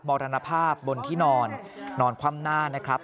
มรณภาพบนที่นอนนอนคว่ำหน้านะครับ